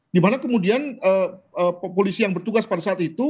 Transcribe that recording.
dimana kemudian polisi yang bertugas pada saat itu